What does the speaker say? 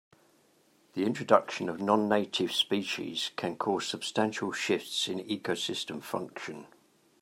The introduction of non-native species can cause substantial shifts in ecosystem function.